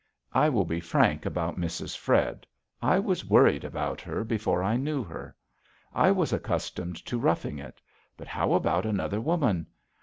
I will be frank about Mrs. Fred. I was worried about her before I knew her. I was accustomed to roughing it; but how about another woman?